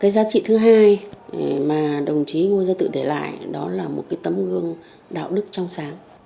giá trị thứ hai mà đồng chí ngô gia tự để lại đó là một tấm gương đạo đức trong sáng